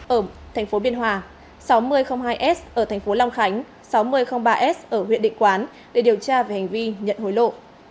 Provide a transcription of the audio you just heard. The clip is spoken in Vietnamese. ở tp biên hòa sáu nghìn hai s ở tp long khánh sáu nghìn ba s ở huyện định quán để điều tra về hành vi nhận hối lộ